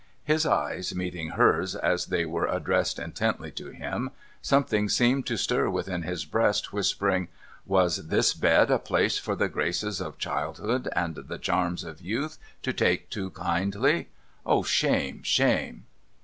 ' His eyes meeting hers as they were addressed intently to him, something seemed to stir within his breast, whispering :' Was this bed a place for the graces of childhood and the charms of youth to take to kindly? Oh, shame, shame